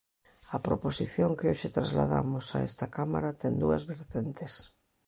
A proposición que hoxe trasladamos a esta Cámara ten dúas vertentes.